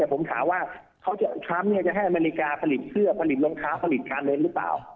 แต่ผมถามว่าทรัมป์จะให้อเมริกาผลิตเสื้อผลิตรองเท้าผลิตชาเลนส์หรือเปล่า